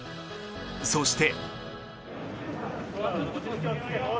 そして。